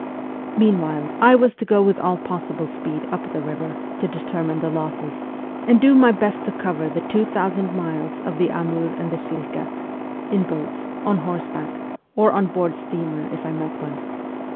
Meanwhile I was to go with all possible speed up the river, to determine the losses, and do my best to cover 224 MEMOIRS OF A REVOLUTIONIST the two thousand miles of the Amur and the Shilka in boats, on horseback, or on board steamer if I met one.